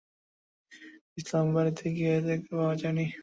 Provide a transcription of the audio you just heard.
গতকাল সোমবার সকালে বেলকুচি গ্রামে শহিদুল ইসলামের বাড়িতে গিয়ে তাঁকে পাওয়া যায়নি।